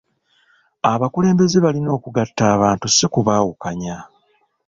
Abakulembeze balina okugatta abantu si kubaawukanya.